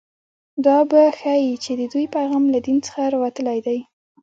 دا به ښيي چې د دوی پیغام له دین څخه راوتلی دی